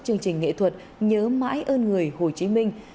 chương trình nghệ thuật nhớ mãi ơn người hồ chí minh